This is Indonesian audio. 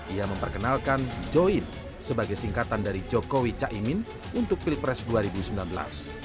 ia memperkenalkan join sebagai singkatan dari jokowi caimin untuk pilpres dua ribu sembilan belas